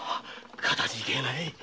かたじけない。